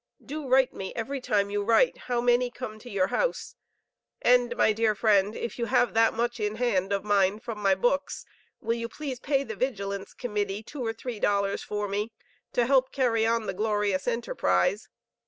Do write me every time you write how many come to your house; and, my dear friend, if you have that much in hand of mine from my books, will you please pay the Vigilance Committee two or three dollars for me to help carry on the glorious enterprise.